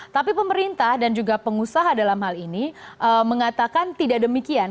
tapi pemerintah dan juga pengusaha dalam hal ini mengatakan tidak demikian